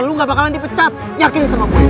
lu gak bakalan dipecat yakin sama kalian